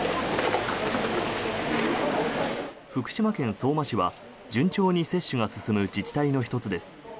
福島県相馬市は順調に接種が進む自治体の１つです。